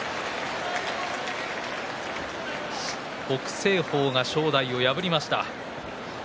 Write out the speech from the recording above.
北青鵬が正代を破りました。